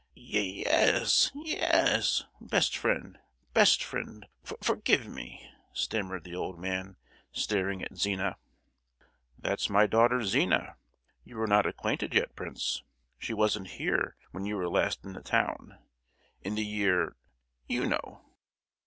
"Ye—es! ye—yes! best friend; best friend, for—forgive me!" stammered the old man, staring at Zina. "That's my daughter Zina. You are not acquainted yet, prince. She wasn't here when you were last in the town, in the year —— you know."